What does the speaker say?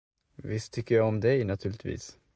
Visst tycker jag om dig, naturligtvis.